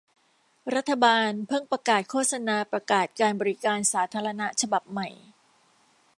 รัฐบาลเพิ่งประกาศโฆษณาประกาศการบริการสาธารณะฉบับใหม่